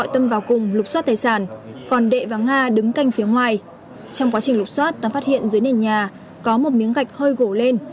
trong quá trình lục xót toàn phát hiện dưới nền nhà có một miếng gạch hơi gỗ lên